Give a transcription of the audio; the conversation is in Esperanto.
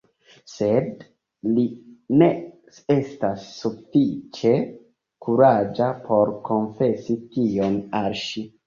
Sed li ne estas sufiĉe kuraĝa por konfesi tion al ŝi.